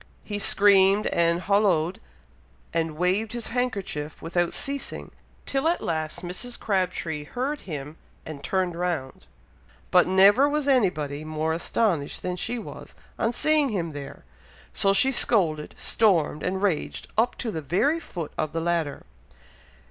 He screamed and hollooed, and waved his handkerchief, without ceasing, till at last Mrs. Crabtree heard him, and turned round, but never was anybody more astonished then she was, on seeing him there, so she scolded, stormed, and raged, up to the very foot of the ladder.